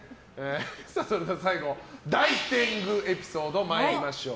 それでは最後大天狗エピソード参りましょう。